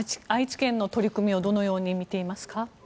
愛知県の取り組みをどのように見ていますか？